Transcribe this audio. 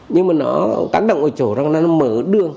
nhưng mà nó tác động ở chỗ rằng là nó mở đường